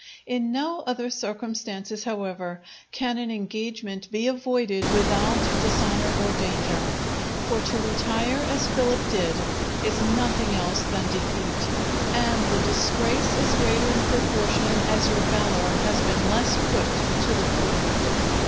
In no other circumstances, however, can an engagement be avoided without dishonour or danger. For to retire as Philip did, is nothing else than defeat; and the disgrace is greater in proportion as your valour has been less put to the proof.